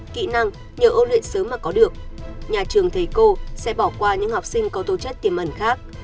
kỹ năng nhờ ôn luyện sớm mà có được nhà trường thầy cô sẽ bỏ qua những học sinh có tố chất tiềm ẩn khác